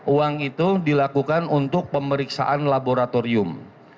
uang itu dilakukan untuk pemeriksaan laboratorium